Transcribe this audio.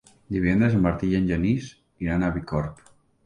Divendres en Martí i en Genís iran a Bicorb.